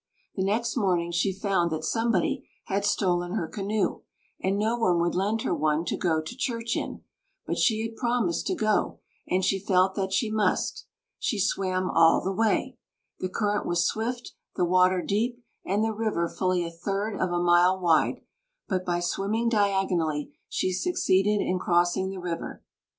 The next morning she found that somebody had stolen her canoe, and no one would lend her one to go to church in. But she had promised to go, and she felt that she must. She swam all the way! The current was swift, the water deep, and the river fully a third of a mile wide, but by swimming diagonally she succeeded in crossing the river.